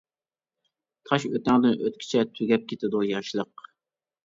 تاش ئۆتەڭدىن ئۆتكىچە، تۈگەپ كېتىدۇ ياشلىق.